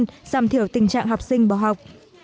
giảm thiểu tình trạng học sinh bỏ học